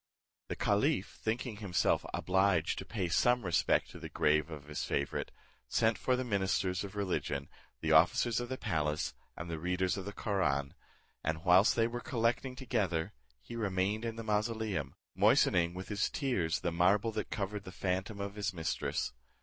The caliph thinking himself obliged to pay some respect to the grave of his favourite, sent for the ministers of religion, the officers of the palace, and the readers of the Koraun; and, whilst they were collecting together, he remained in the mausoleum, moistening with his tears the marble that covered the phantom of his mistress.